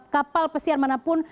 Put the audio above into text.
kapal pesiar manapun